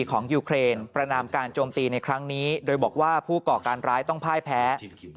ของยูเครนประนามการโจมตีในครั้งนี้โดยบอกว่าผู้ก่อการร้ายต้องพ่ายแพ้